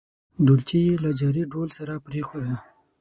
ډولچي یې له جاري ډول سره پرېښوده.